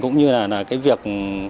cũng như là cái việc